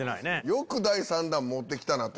よく第３弾持ってきたな。